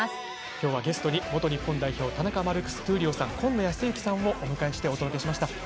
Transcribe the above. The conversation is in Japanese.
今日はゲストに元日本代表の田中マルクス闘莉王さんと今野泰幸さんをお迎えしてお送りしました。